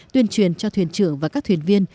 tuyên truyền cho thuyền trưởng và các thuyền viên